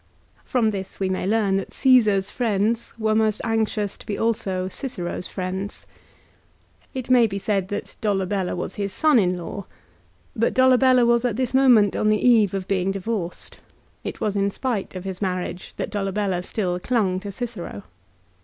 1 From this we may learn that Caesar's friends were most anxious to be also Cicero's friends. It may be said that Dolabella was his son in law ; but Dolabella was at this moment on the eve of being divorced. It was in spite of his marriage that Dolabella still clung to Cicero.